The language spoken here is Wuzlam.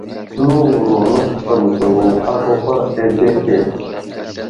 Nə wuro nəfətel zlelo aka akwar azlehe.